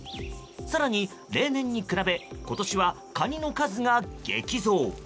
更に、例年に比べ今年はカニの数が激増。